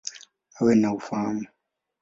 Awe na ufahamu.